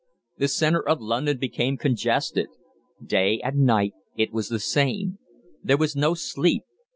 The centre of London became congested. Day and night it was the same. There was no sleep.